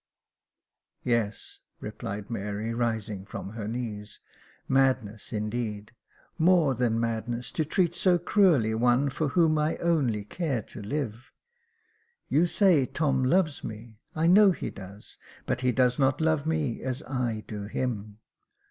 " Yes," replied Mary, rising from her knees, "madness, indeed, — more than madness to treat so cruelly one for whom I only care to live. You say Tom loves me ; I know he does ; but he does not love me as I do him.